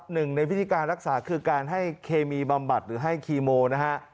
หนึ่งในวิธีการรักษาคือการให้เคมีบำบัดหรือให้คีโมนะฮะ